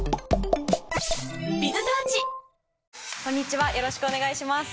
こんにちはよろしくお願いします。